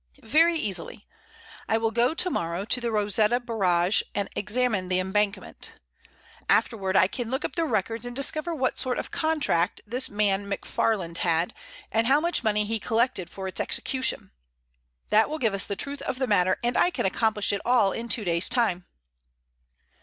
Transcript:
"Very easily. I will go to morrow to the Rosetta Barrage and examine the embankment. Afterward I can look up the records and discover what sort of contract this man McFarland had, and how much money he collected for its execution. That will give us the truth of the matter, and I can accomplish it all in two days' time."